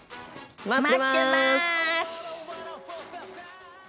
待ってます！